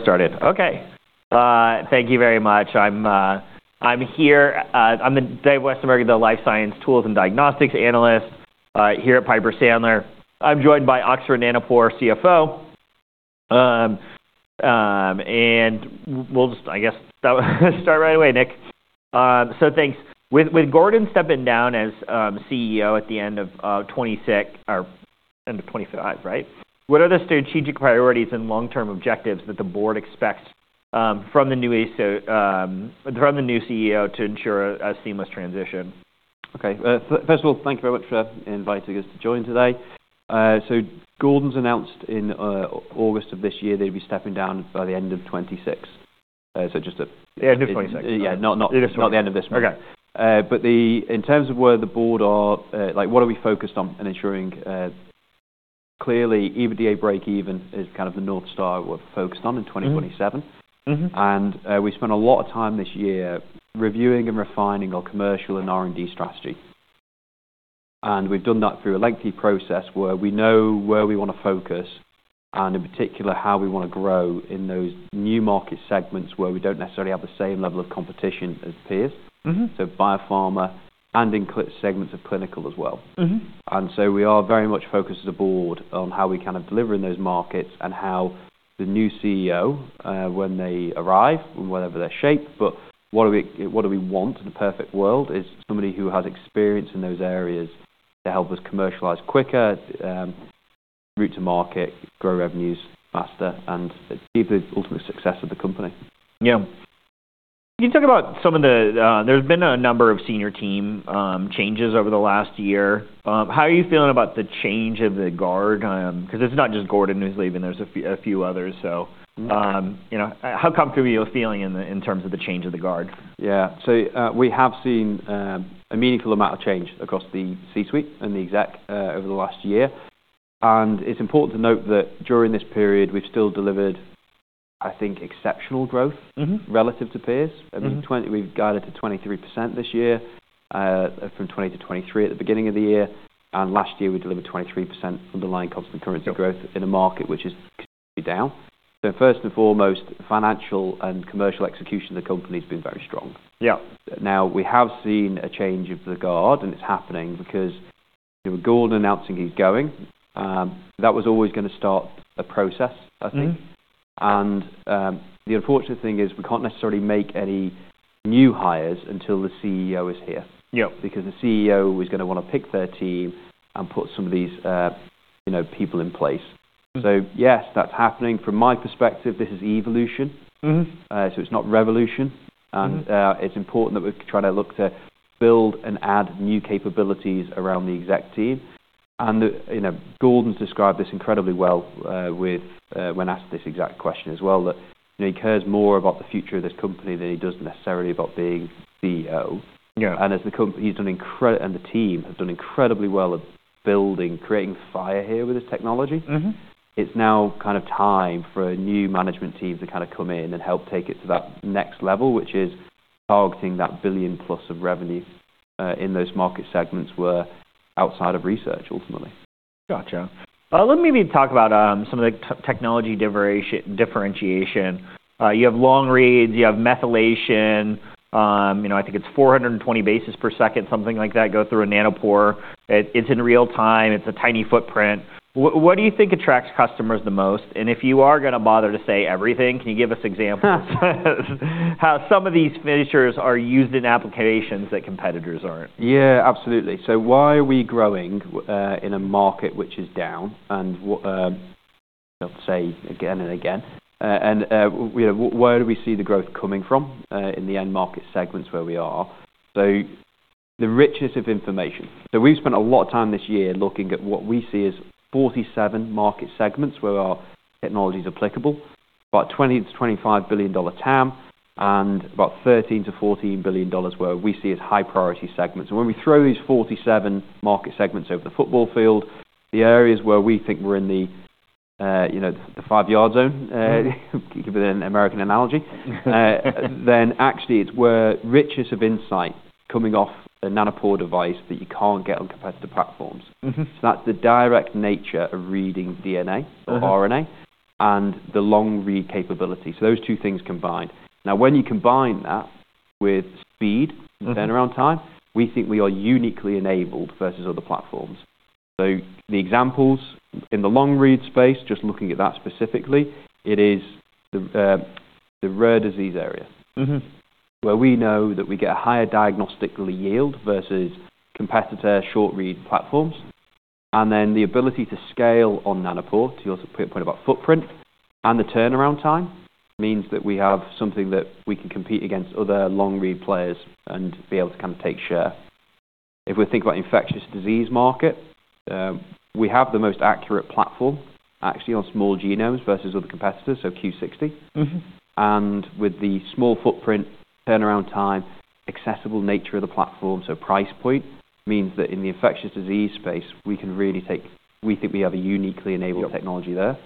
We're started. Okay. Thank you very much. I'm here. I'm Dave Westenberg, the Life Science Tools and Diagnostics Analyst here at Piper Sandler. I'm joined by Oxford Nanopore CFO, and we'll just, I guess, start right away, Nick. So thanks. With Gordon stepping down as CEO at the end of 2026 or end of 2025, right? What are the strategic priorities and long-term objectives that the board expects from the new CEO to ensure a seamless transition? Okay. First of all, thank you very much for inviting us to join today. So Gordon's announced in August of this year they'd be stepping down by the end of 2026. So just a—. The end of 2026? Yeah. Not the end of this month. Okay. But in terms of where the board are, like, what are we focused on in ensuring, clearly EBITDA break-even is kind of the north star we're focused on in 2027. Mm-hmm. We spent a lot of time this year reviewing and refining our commercial and R&D strategy. We've done that through a lengthy process where we know where we wanna focus and, in particular, how we wanna grow in those new market segments where we don't necessarily have the same level of competition as peers. Mm-hmm. Biopharma and in segments of clinical as well. Mm-hmm. We are very much focused as a board on how we kind of deliver in those markets and how the new CEO, when they arrive, whatever their shape. But what we want in a perfect world is somebody who has experience in those areas to help us commercialize quicker, route to market, grow revenues faster, and achieve the ultimate success of the company. Yeah. Can you talk about some of the, there's been a number of senior team changes over the last year. How are you feeling about the change of the guard? 'Cause it's not just Gordon who's leaving. There's a few others, so. Mm-hmm. You know, how comfortable are you feeling in terms of the change of the guard? Yeah. So, we have seen a meaningful amount of change across the C-suite and the exec over the last year. And it's important to note that during this period we've still delivered, I think, exceptional growth. Mm-hmm. Relative to peers. Mm-hmm. I mean, 20, we've guided to 23% this year, from 20 to 23 at the beginning of the year. And last year we delivered 23% underlying constant currency growth. Mm-hmm. In a market which is continually down, so first and foremost, financial and commercial execution of the company's been very strong. Yeah. Now, we have seen a change of the guard, and it's happening because Gordon announcing he's going. That was always gonna start a process, I think. Mm-hmm. The unfortunate thing is we can't necessarily make any new hires until the CEO is here. Yeah. Because the CEO is gonna wanna pick their team and put some of these, you know, people in place. Mm-hmm. So yes, that's happening. From my perspective, this is evolution. Mm-hmm. So it's not revolution. Mm-hmm. And, it's important that we try to look to build and add new capabilities around the exec team. And the, you know, Gordon's described this incredibly well, with, when asked this exact question as well, that, you know, he cares more about the future of this company than he does necessarily about being CEO. Yeah. As the company, he's done incredibly, and the team have done incredibly well at building, creating fire here with this technology. Mm-hmm. It's now kind of time for a new management team to kind of come in and help take it to that next level, which is targeting that billion-plus of revenue, in those market segments where outside of research, ultimately. Gotcha. Let me maybe talk about some of the technology differentiation. You have long reads, you have methylation, you know, I think it's four hundred and twenty bases per second, something like that, go through a Nanopore. It's in real time, it's a tiny footprint. What do you think attracts customers the most? And if you are gonna bother to say everything, can you give us examples of how some of these features are used in applications that competitors aren't? Yeah. Absolutely. So why are we growing, in a market which is down and what, I'll say again and again, and, you know, where do we see the growth coming from, in the end market segments where we are? So the richness of information. So we've spent a lot of time this year looking at what we see as 47 market segments where our technology's applicable, about $20-25 billion TAM, and about $13-14 billion where we see as high-priority segments. And when we throw these 47 market segments over the football field, the areas where we think we're in the, you know, the five-yard zone, giving an American analogy, then actually it's where richness of insight coming off a Nanopore device that you can't get on competitor platforms. Mm-hmm. So that's the direct nature of reading DNA or RNA and the long read capability. So those two things combined. Now, when you combine that with speed. Mm-hmm. Turnaround time, we think we are uniquely enabled versus other platforms. So the examples in the long read space, just looking at that specifically, it is the rare disease area. Mm-hmm. Where we know that we get a higher diagnostically yield versus competitor short read platforms, and then the ability to scale on Nanopore, to your point about footprint and the turnaround time means that we have something that we can compete against other long read players and be able to kind of take share. If we think about infectious disease market, we have the most accurate platform, actually, on small genomes versus other competitors, so Q60. Mm-hmm. With the small footprint, turnaround time, accessible nature of the platform, so price point, means that in the infectious disease space we can really take. We think we have a uniquely enabled technology there.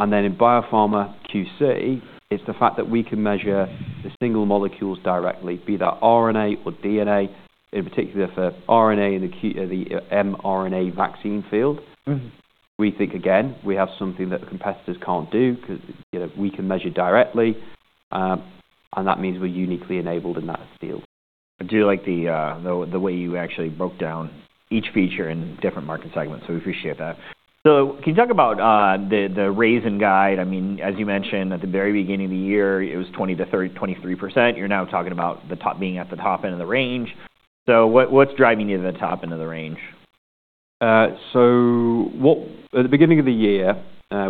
Then in Biopharma QC, it's the fact that we can measure the single molecules directly, be that RNA or DNA. In particular, for RNA in the QC, the mRNA vaccine field. Mm-hmm. We think, again, we have something that competitors can't do 'cause, you know, we can measure directly, and that means we're uniquely enabled in that field. I do like the way you actually broke down each feature in different market segments. So we appreciate that. So can you talk about the revenue guidance? I mean, as you mentioned, at the very beginning of the year it was 20%-23%. You're now talking about the top being at the top end of the range. So what's driving you to the top end of the range? So what, at the beginning of the year,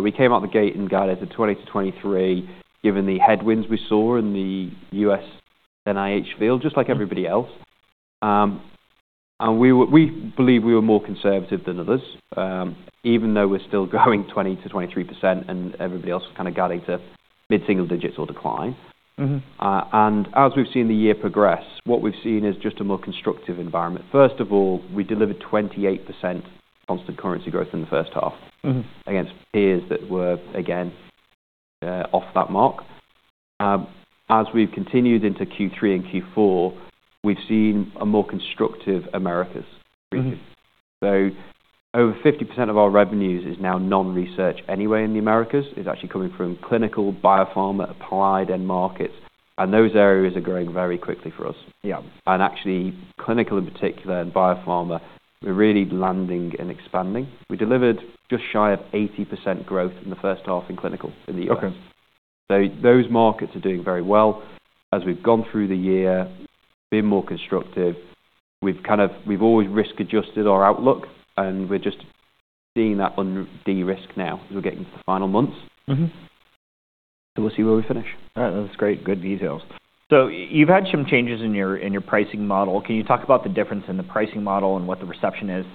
we came out the gate and guided to 20-23% given the headwinds we saw in the U.S. NIH field, just like everybody else. And we were, we believe we were more conservative than others, even though we're still growing 20%-23% and everybody else was kind of guiding to mid-single digits or decline. Mm-hmm. And as we've seen the year progress, what we've seen is just a more constructive environment. First of all, we delivered 28% constant currency growth in the first half. Mm-hmm. Against peers that were, again, off that mark. As we've continued into Q3 and Q4, we've seen a more constructive Americas region. Mm-hmm. Over 50% of our revenues is now non-research anyway in the Americas. It's actually coming from clinical, Biopharma, applied, and markets. Those areas are growing very quickly for us. Yeah. Actually, clinical in particular and Biopharma, we're really landing and expanding. We delivered just shy of 80% growth in the first half in clinical in the US. Okay. So those markets are doing very well. As we've gone through the year, been more constructive, we've kind of, we've always risk-adjusted our outlook, and we're just seeing that on de-risk now as we're getting to the final months. Mm-hmm. So we'll see where we finish. All right. That's great. Good details. So you've had some changes in your pricing model. Can you talk about the difference in the pricing model and what the reception is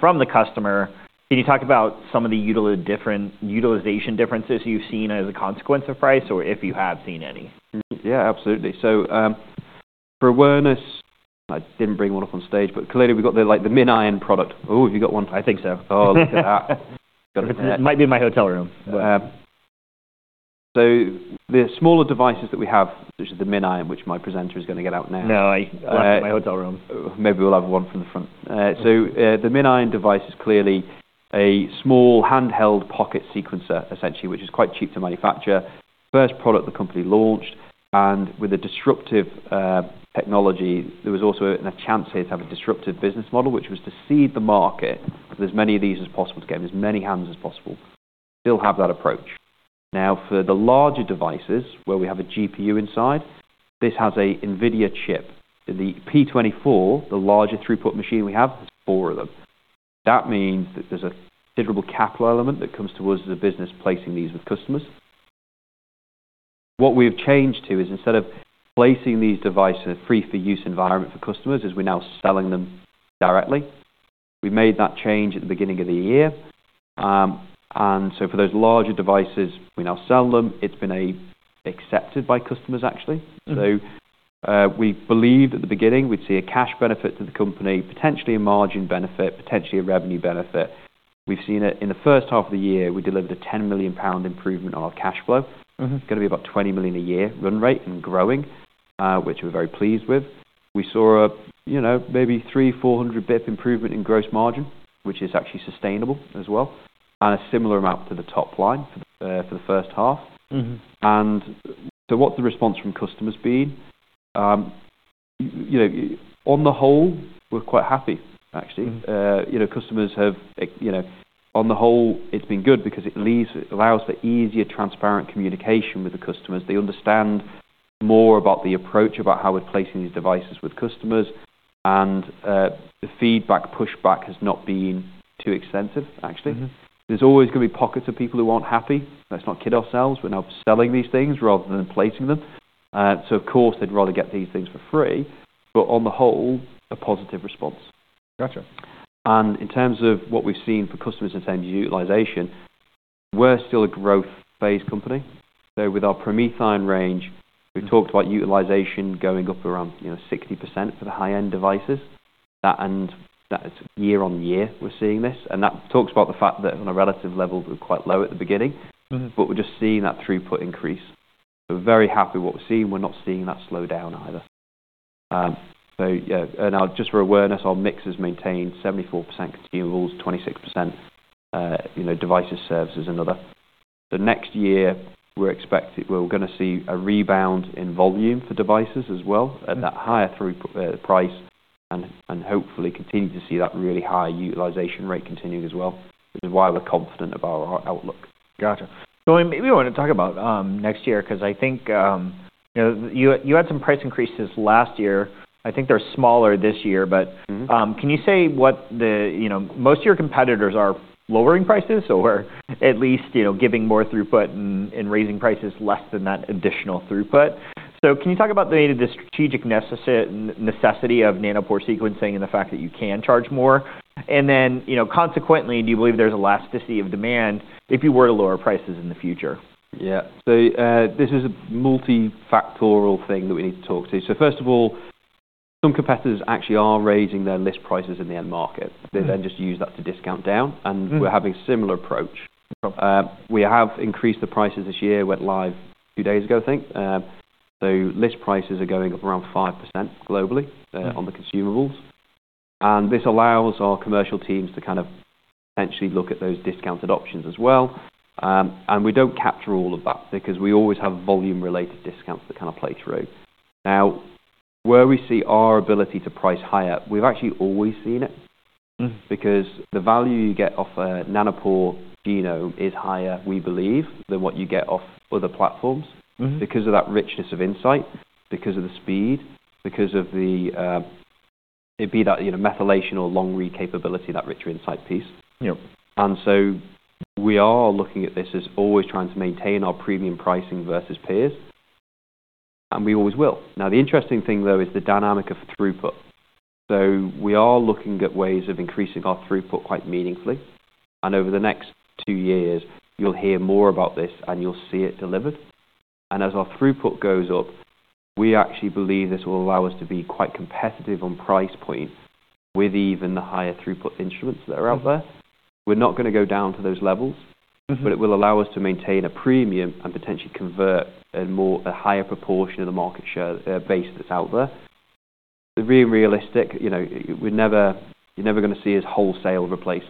from the customer? Can you talk about some of the different utilization differences you've seen as a consequence of price or if you have seen any? Yeah. Absolutely. So, for awareness, I didn't bring one up on stage, but clearly we've got the, like, the MinION product. Oh, have you got one? I think so. Oh, look at that. It might be in my hotel room, but. So the smaller devices that we have, which is the MinION, which my presenter is gonna get out now. No. I have my hotel room. Maybe we'll have one from the front. So, the MinION device is clearly a small handheld pocket sequencer, essentially, which is quite cheap to manufacture, the first product the company launched. And with a disruptive technology, there was also a chance here to have a disruptive business model, which was to seed the market, as many of these as possible, to get as many hands as possible. Still have that approach. Now, for the larger devices where we have a GPU inside, this has a NVIDIA chip. The P24, the larger throughput machine we have, there's four of them. That means that there's a considerable capital element that comes to us as a business placing these with customers. What we've changed to is instead of placing these devices in a free-for-use environment for customers, we're now selling them directly. We made that change at the beginning of the year. And so for those larger devices, we now sell them. It's been accepted by customers, actually. Mm-hmm. We believed at the beginning we'd see a cash benefit to the company, potentially a margin benefit, potentially a revenue benefit. We've seen it in the first half of the year. We delivered a 10 million pound improvement on our cash flow. Mm-hmm. It's gonna be about 20 million a year run rate and growing, which we're very pleased with. We saw a, you know, maybe 300-400 basis points improvement in gross margin, which is actually sustainable as well, and a similar amount to the top line for the first half. Mm-hmm. So what's the response from customers been? You know, on the whole, we're quite happy, actually. Mm-hmm. You know, customers have, you know, on the whole, it's been good because it leaves, it allows for easier, transparent communication with the customers. They understand more about the approach, about how we're placing these devices with customers. And, the feedback, pushback has not been too extensive, actually. Mm-hmm. There's always gonna be pockets of people who aren't happy. Let's not kid ourselves. We're now selling these things rather than placing them. So of course they'd rather get these things for free. But on the whole, a positive response. Gotcha. In terms of what we've seen for customers in terms of utilization, we're still a growth-based company. So with our PromethION range, we talked about utilization going up around, you know, 60% for the high-end devices. That and that's year on year, we're seeing this. And that talks about the fact that on a relative level we're quite low at the beginning. Mm-hmm. But we're just seeing that throughput increase. We're very happy with what we're seeing. We're not seeing that slow down either, so yeah. And now, just for awareness, our mix has maintained 74% consumables, 26%, you know, devices, services and other. So next year we're expecting we're gonna see a rebound in volume for devices as well. Mm-hmm. At that higher throughput, price and hopefully continue to see that really high utilization rate continuing as well, which is why we're confident about our outlook. Gotcha, so I mean, we wanna talk about next year 'cause I think, you know, you had some price increases last year. I think they're smaller this year, but. Mm-hmm. Can you say what, you know, most of your competitors are lowering prices or at least, you know, giving more throughput and raising prices less than that additional throughput? So can you talk about the strategic necessity of Nanopore sequencing and the fact that you can charge more? And then, you know, consequently, do you believe there's elasticity of demand if you were to lower prices in the future? Yeah. So, this is a multi-factorial thing that we need to talk to. So first of all, some competitors actually are raising their list prices in the end market. They then just use that to discount down. Mm-hmm. We're having a similar approach. No problem. We have increased the prices this year. Went live two days ago, I think, so list prices are going up around 5% globally. Mm-hmm. On the consumables, and this allows our commercial teams to kind of potentially look at those discounted options as well, and we don't capture all of that because we always have volume-related discounts that kind of play through. Now, where we see our ability to price higher, we've actually always seen it. Mm-hmm. Because the value you get off a Nanopore genome is higher, we believe, than what you get off other platforms. Mm-hmm. Because of that richness of insight, because of the methylation or long read capability, you know, that richer insight piece. Yep. And so we are looking at this as always trying to maintain our premium pricing versus peers, and we always will. Now, the interesting thing though is the dynamic of throughput. So we are looking at ways of increasing our throughput quite meaningfully. And over the next two years, you'll hear more about this and you'll see it delivered. And as our throughput goes up, we actually believe this will allow us to be quite competitive on price point with even the higher throughput instruments that are out there. We're not gonna go down to those levels. Mm-hmm. But it will allow us to maintain a premium and potentially convert a higher proportion of the market share base that's out there. But the realistic, you know, we're never, you're never gonna see us wholesale replace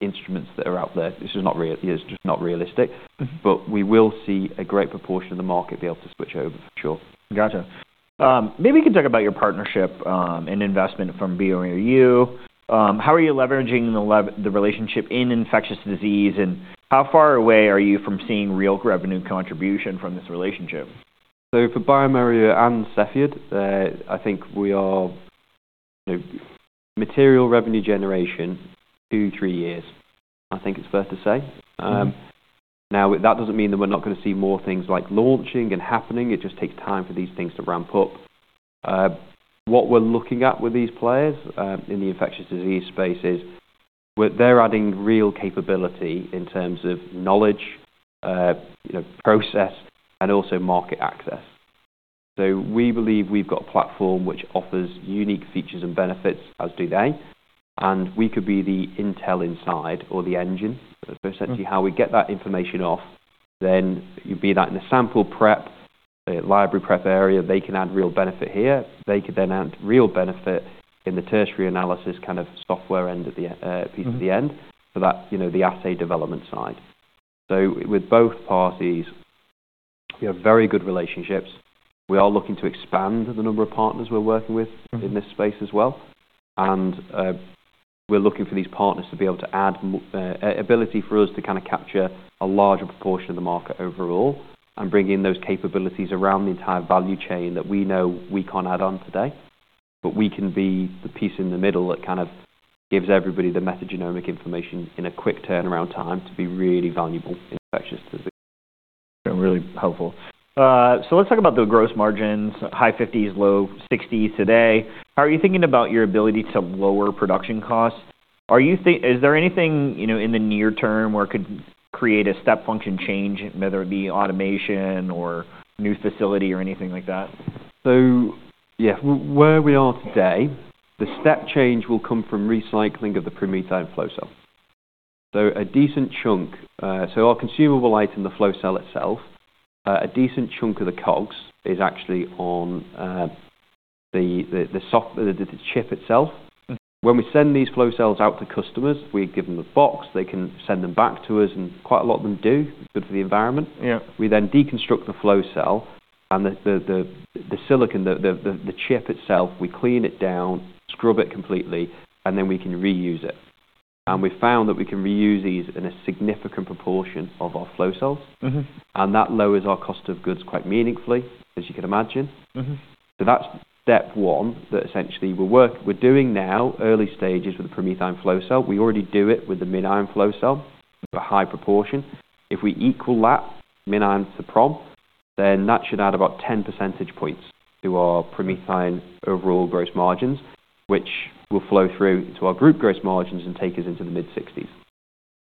instruments that are out there. This is not real, it's just not realistic. Mm-hmm. But we will see a great proportion of the market be able to switch over for sure. Gotcha. Maybe you can talk about your partnership and investment from bioMérieux. How are you leveraging the relationship in infectious disease and how far away are you from seeing real revenue contribution from this relationship? So for bioMérieux and Cepheid, I think we are, you know, material revenue generation two, three years, I think it's fair to say. Mm-hmm. Now, that doesn't mean that we're not gonna see more things like launching and happening. It just takes time for these things to ramp up. What we're looking at with these players, in the infectious disease space is, well, they're adding real capability in terms of knowledge, you know, process, and also market access. So we believe we've got a platform which offers unique features and benefits, as do they. And we could be the intel inside or the engine. So essentially how we get that information off, then you'd be that in the sample prep, library prep area, they can add real benefit here. They could then add real benefit in the tertiary analysis kind of software end of the, piece at the end. Mm-hmm. For that, you know, the assay development side. So with both parties, we have very good relationships. We are looking to expand the number of partners we're working with. Mm-hmm. In this space as well, and we're looking for these partners to be able to add an ability for us to kind of capture a larger proportion of the market overall and bring in those capabilities around the entire value chain that we know we can't add on today. But we can be the piece in the middle that kind of gives everybody the metagenomic information in a quick turnaround time to be really valuable in infectious disease. Really helpful. So let's talk about the gross margins, high fifties, low sixties today. How are you thinking about your ability to lower production costs? Are you thinking, is there anything, you know, in the near term where it could create a step function change, whether it be automation or new facility or anything like that? Yeah. Where we are today, the step change will come from recycling of the PromethION flow cell. So a decent chunk, so our consumables line in the flow cell itself, a decent chunk of the COGS is actually on the cost of the chip itself. Mm-hmm. When we send these flow cells out to customers, we give them a box. They can send them back to us, and quite a lot of them do. Good for the environment. Yeah. We then deconstruct the flow cell and the silicon chip itself, we clean it down, scrub it completely, and then we can reuse it, and we've found that we can reuse these in a significant proportion of our flow cells. Mm-hmm. That lowers our cost of goods quite meaningfully, as you can imagine. Mm-hmm. That's step one that essentially we're working, we're doing now, early stages with the PromethION flow cell. We already do it with the MinION flow cell, a high proportion. If we equal that MinION to prompt, then that should add about 10 percentage points to our PromethION overall gross margins, which will flow through into our group gross margins and take us into the mid-sixties.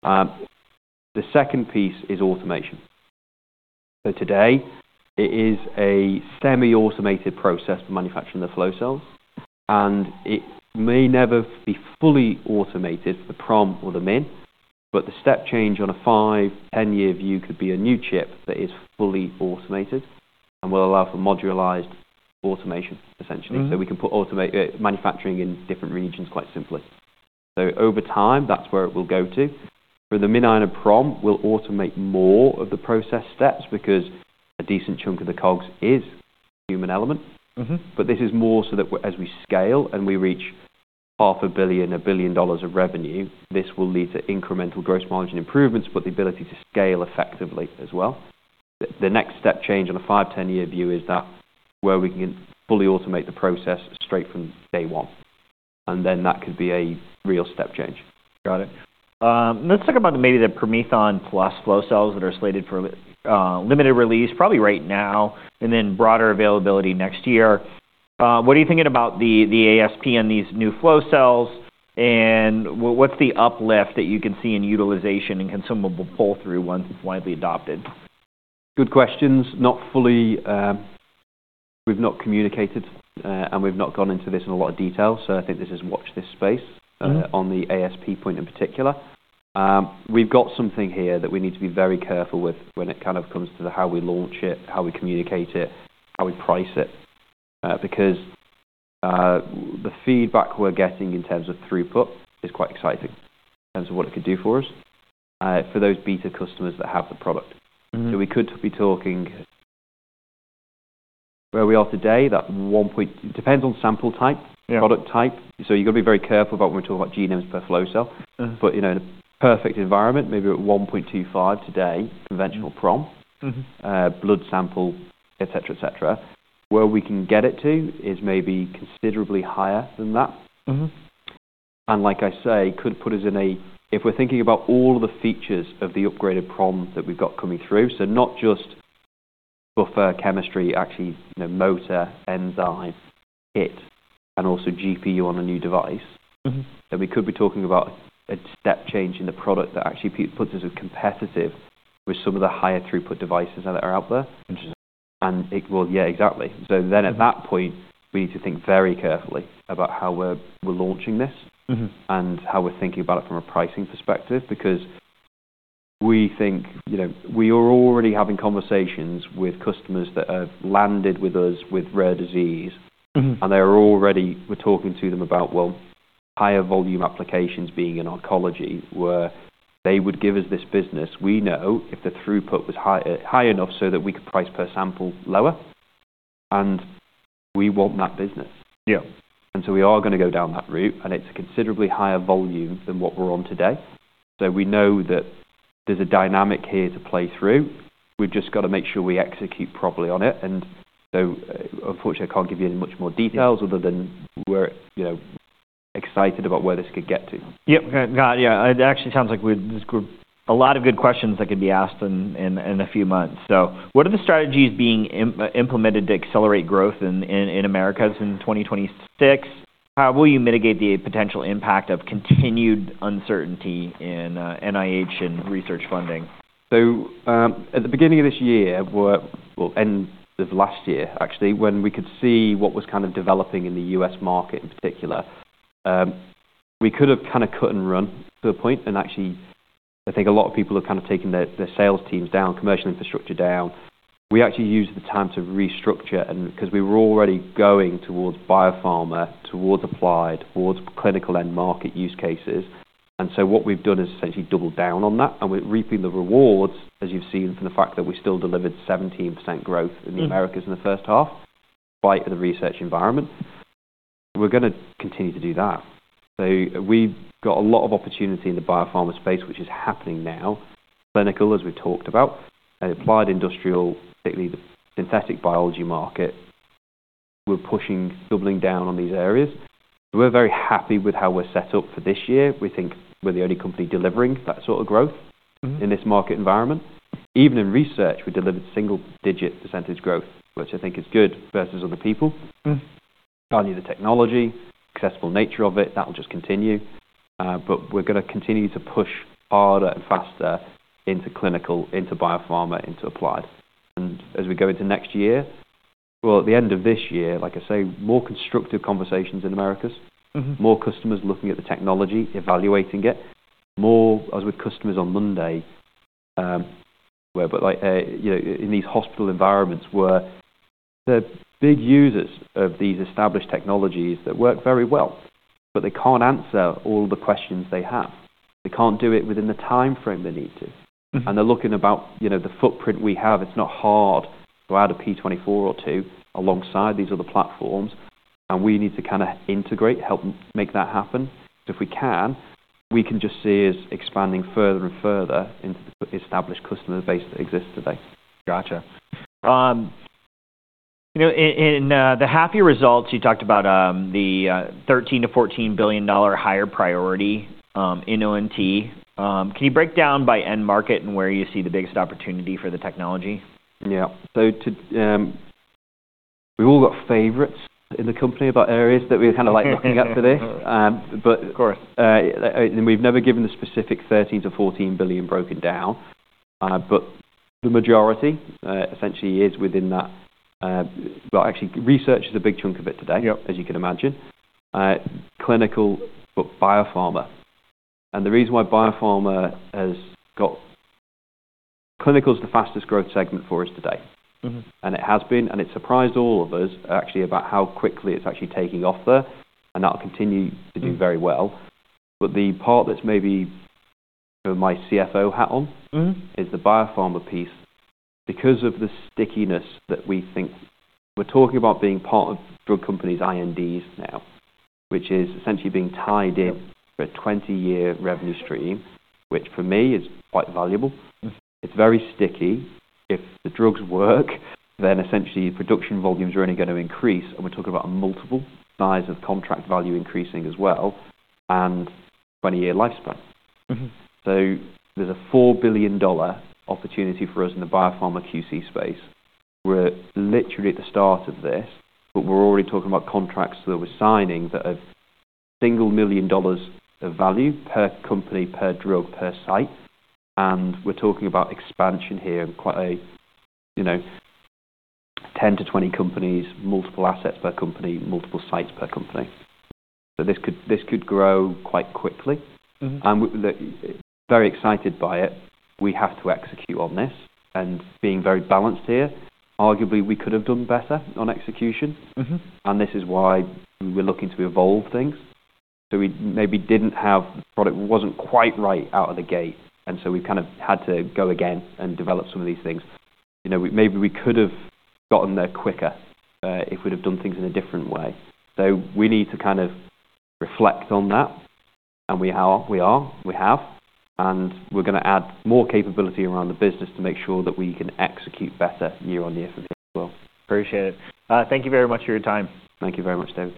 The second piece is automation. Today, it is a semi-automated process for manufacturing the flow cells. It may never be fully automated for the prompt or the min, but the step change on a five, 10-year view could be a new chip that is fully automated and will allow for modularized automation, essentially. Mm-hmm. We can put automation manufacturing in different regions quite simply. Over time, that's where it will go to. For the MinION and PromethION, we'll automate more of the process steps because a decent chunk of the COGS is a human element. Mm-hmm. But this is more so that as we scale and we reach $500 million, $1 billion of revenue, this will lead to incremental gross margin improvements, but the ability to scale effectively as well. The next step change on a five, 10-year view is that where we can fully automate the process straight from day one. And then that could be a real step change. Got it. Let's talk about maybe the PromethION plus flow cells that are slated for limited release probably right now and then broader availability next year. What are you thinking about the ASP and these new flow cells? And what's the uplift that you can see in utilization and consumable pull-through once it's widely adopted? Good questions. Not fully, we've not communicated, and we've not gone into this in a lot of detail. So I think this is watch this space. Mm-hmm. On the ASP point in particular. We've got something here that we need to be very careful with when it kind of comes to how we launch it, how we communicate it, how we price it. Because, the feedback we're getting in terms of throughput is quite exciting in terms of what it could do for us, for those beta customers that have the product. Mm-hmm. We could be talking where we are today. That one point depends on sample type. Yeah. Product type. So you gotta be very careful about when we talk about genomes per flow cell. Mm-hmm. But, you know, in a perfect environment, maybe at 1.25 today, conventional prompt. Mm-hmm. blood sample, etc., etc., where we can get it to is maybe considerably higher than that. Mm-hmm. Like I say, could put us in a if we're thinking about all of the features of the upgraded PromethION that we've got coming through, so not just buffer chemistry, actually, you know, motor, enzyme, kit, and also GPU on a new device. Mm-hmm. Then we could be talking about a step change in the product that actually puts us competitive with some of the higher throughput devices that are out there. Interesting. And it will, yeah, exactly. So then at that point, we need to think very carefully about how we're launching this. Mm-hmm. How we're thinking about it from a pricing perspective because we think, you know, we are already having conversations with customers that have landed with us with rare disease. Mm-hmm. They're already. We're talking to them about, well, higher volume applications being in oncology, where they would give us this business we know if the throughput was high enough so that we could price per sample lower, and we want that business. Yeah. And so we are gonna go down that route, and it's a considerably higher volume than what we're on today. So we know that there's a dynamic here to play through. We've just gotta make sure we execute properly on it. And so, unfortunately, I can't give you any much more details other than we're, you know, excited about where this could get to. Yep. Got it. Yeah. It actually sounds like we've a lot of good questions that could be asked in a few months. So what are the strategies being implemented to accelerate growth in America in twenty twenty-six? How will you mitigate the potential impact of continued uncertainty in NIH and research funding? At the beginning of this year, well, end of last year, actually, when we could see what was kind of developing in the U.S. market in particular, we could have kind of cut and run to a point. Actually, I think a lot of people have kind of taken their sales teams down, commercial infrastructure down. We actually used the time to restructure and 'cause we were already going towards Biopharma, towards applied, towards clinical end market use cases. What we've done is essentially doubled down on that, and we're reaping the rewards, as you've seen, from the fact that we still delivered 17% growth in the Americas in the first half, despite the research environment. We're gonna continue to do that. So we've got a lot of opportunity in the Biopharma space, which is happening now, clinical as we've talked about, and applied industrial, particularly the synthetic biology market. We're pushing, doubling down on these areas. We're very happy with how we're set up for this year. We think we're the only company delivering that sort of growth. Mm-hmm. In this market environment, even in research, we delivered single-digit % growth, which I think is good versus other people. Mm-hmm. Value the technology, accessible nature of it. That'll just continue. But we're gonna continue to push harder and faster into clinical, into Biopharma, into applied. And as we go into next year, well, at the end of this year, like I say, more constructive conversations in Americas. Mm-hmm. More customers looking at the technology, evaluating it, more so with customers on Monday, where but like, you know, in these hospital environments where the big users of these established technologies that work very well, but they can't answer all the questions they have. They can't do it within the timeframe they need to. Mm-hmm. And they're looking about, you know, the footprint we have. It's not hard to add a P24 or two alongside these other platforms, and we need to kind of integrate, help make that happen. So if we can, we can just see us expanding further and further into the established customer base that exists today. Gotcha. You know, in the half-year results, you talked about the $13-14 billion higher priority in ONT. Can you break down by end market and where you see the biggest opportunity for the technology? Yeah. So, too, we've all got favorites in the company about areas that we're kind of like looking at today. Mm-hmm. but. Of course. And we've never given the specific 13-14 billion broken down. But the majority, essentially, is within that. Well, actually, research is a big chunk of it today. Yep. As you can imagine, clinical, but Biopharma. And the reason why Biopharma has got clinical as the fastest growth segment for us today. Mm-hmm. It has been, and it surprised all of us, actually, about how quickly it's actually taking off there, and that'll continue to do very well. The part that's maybe my CFO hat on. Mm-hmm. Is the Biopharma piece because of the stickiness that we think we're talking about being part of drug companies' INDs now, which is essentially being tied in for a twenty-year revenue stream, which for me is quite valuable? Mm-hmm. It's very sticky. If the drugs work, then essentially production volumes are only gonna increase, and we're talking about a multiple size of contract value increasing as well and twenty-year lifespan. Mm-hmm. There's a $4 billion opportunity for us in the Biopharma QC space. We're literally at the start of this, but we're already talking about contracts that we're signing that are $1 million of value per company, per drug, per site. We're talking about expansion here in quite a, you know, 10-20 companies, multiple assets per company, multiple sites per company. This could grow quite quickly. Mm-hmm. We're very excited by it. We have to execute on this. Being very balanced here, arguably we could have done better on execution. Mm-hmm. And this is why we were looking to evolve things. So we maybe didn't have, the product wasn't quite right out of the gate, and so we kind of had to go again and develop some of these things. You know, we maybe we could have gotten there quicker, if we'd have done things in a different way. So we need to kind of reflect on that, and we are, we are, we have. And we're gonna add more capability around the business to make sure that we can execute better year on year from here as well. Appreciate it. Thank you very much for your time. Thank you very much, Dave.